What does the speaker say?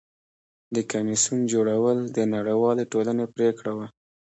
د کمیسیون جوړول د نړیوالې ټولنې پریکړه وه.